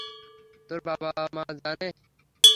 তোর বাবা-মা কি জানে?